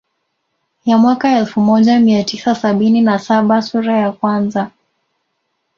Ya mwaka elfu moja mia tisa sabini na saba sura ya kwanza